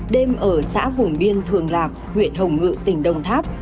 đêm ở xã vùng biên thường lạc huyện hồng ngự tỉnh đồng tháp